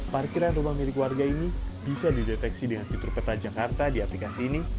parkiran rumah milik warga ini bisa dideteksi dengan fitur peta jakarta di aplikasi ini